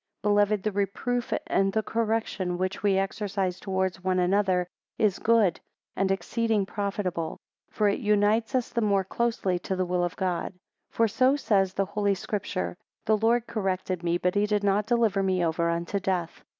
4 Beloved, the reproof and the correction which we exercise towards one another, is good, and exceeding profitable: for it unites us the more closely to the will of God. 5 For, so says the Holy Scripture, The Lord corrected me, but he did not deliver me over unto death.